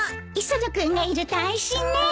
磯野君がいると安心ね。